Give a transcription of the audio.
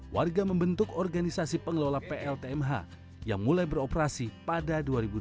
warga membentuk organisasi pengelola pltmh yang mulai beroperasi pada dua ribu dua puluh